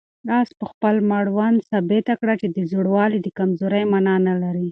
آس په خپل مړوند ثابته کړه چې زوړوالی د کمزورۍ مانا نه لري.